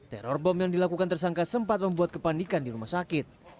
teror bom yang dilakukan tersangka sempat membuat kepanikan di rumah sakit